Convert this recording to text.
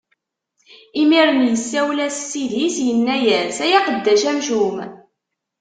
Imiren isawel-as ssid-is, inna-as: Ay aqeddac amcum!